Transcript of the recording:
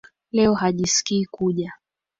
Leo hajiskii kuja.